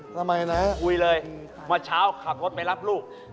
ทำไมนะคุยเลยเมื่อเช้าขับรถไปรับลูก